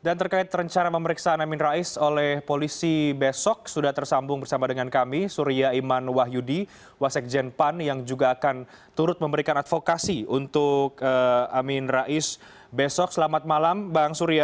dan terkait rencana pemeriksaan amin rais oleh polisi besok sudah tersambung bersama dengan kami suria iman wahyudi wasek jenpan yang juga akan turut memberikan advokasi untuk amin rais besok selamat malam bang suria